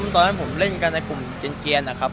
ตอนนั้นผมเล่นกันในกลุ่มเกียรนะครับ